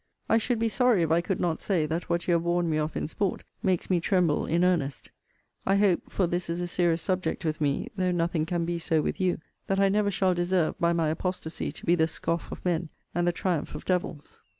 I should be sorry, if I could not say, that what you have warned me of in sport, makes me tremble in earnest. I hope, for this is a serious subject with me, (though nothing can be so with you,) that I never shall deserve, by my apostasy, to be the scoff of men, and the triumph of devils.